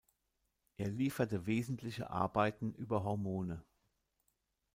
Er lieferte wesentliche Arbeiten über Hormone.